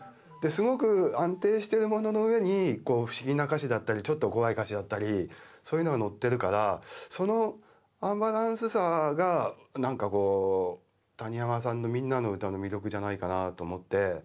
すごく安定してるものの上に不思議な歌詞だったりちょっと怖い歌詞だったりそういうのがのってるからそのアンバランスさがなんかこう谷山さんの「みんなのうた」の魅力じゃないかなと思って。